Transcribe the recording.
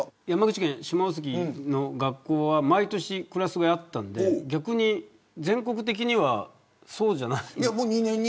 山口県下関の学校は毎年クラス替えあったので逆に全国的にはそうじゃないんですか。